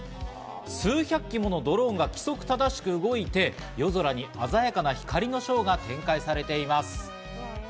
数百機ものドローンが規則正しく動いて、夜空に鮮やかな光のショーが展開されています。